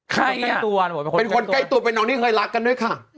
ใครเนี้ยเป็นคนใกล้ตัวเป็นคนใกล้ตัวเป็นน้องที่เคยรักกันด้วยค่ะ